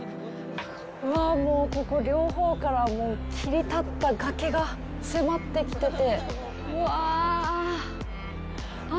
うわあ、もうここ両方から切り立った崖が迫ってきててうわあ。